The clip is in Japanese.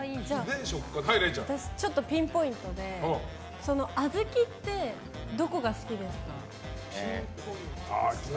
ちょっとピンポイントで小豆ってどこが好きですか？